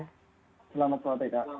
selamat sore mbak